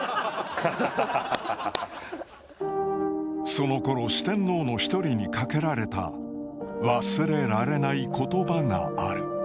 そのころ四天王の一人にかけられた忘れられない言葉がある。